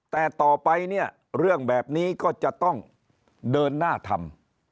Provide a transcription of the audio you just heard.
แต่ต่อไปเนี่ยเรื่องแบบนี้ก็จะต้องเดินหน้าทำ